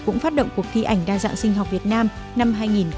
cũng phát động cuộc thi ảnh đa dạng sinh học việt nam năm hai nghìn hai mươi